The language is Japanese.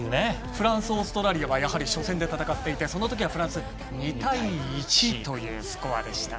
フランスオーストラリアはやはり初戦で戦っていてその時フランスは２対１というスコアでした。